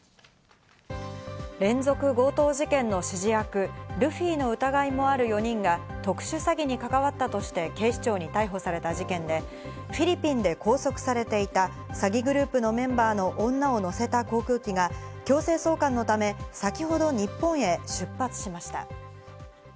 連続強盗事件の指示役ルフィの疑いもある４人が、特殊詐欺に関わったとして警視庁に逮捕された事件で、フィリピンで拘束されていた詐欺グループのメンバーの女を乗せた航空機が強制送還のため、先ほど日本へ出発しました。